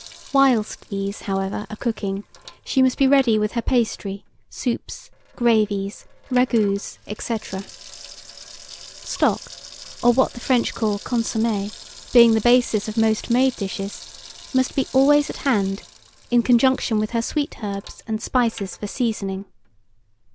Whilst these, however, are cooking, she must be busy with her pastry, soups, gravies, ragouts, &c. Stock, or what the French call consommé, being the basis of most made dishes, must be always at hand, in conjunction with her sweet herbs and spices for seasoning.